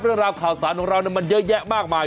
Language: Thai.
เรื่องราวข่าวสารของเรามันเยอะแยะมากมาย